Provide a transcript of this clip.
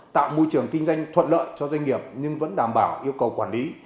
tạo môi trường kinh doanh thuận lợi cho doanh nghiệp nhưng vẫn đảm bảo yêu cầu quản lý